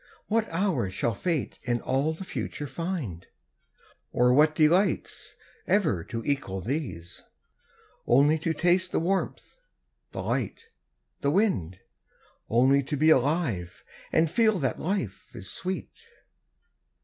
What hour shall Fate in all the future find, Or what delights, ever to equal these: Only to taste the warmth, the light, the wind, Only to be alive, and feel that life is sweet?